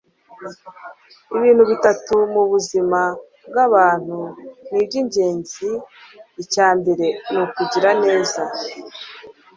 ibintu bitatu mubuzima bwabantu nibyingenzi icya mbere nukugira neza